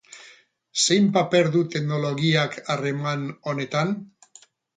Zein paper du teknologiak harreman honetan?